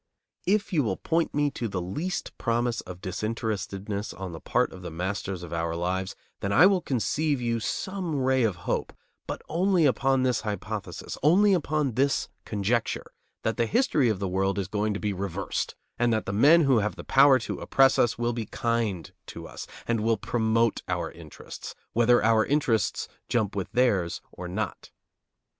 If you will point me to the least promise of disinterestedness on the part of the masters of our lives, then I will conceive you some ray of hope; but only upon this hypothesis, only upon this conjecture: that the history of the world is going to be reversed, and that the men who have the power to oppress us will be kind to us, and will promote our interests, whether our interests jump with theirs or not.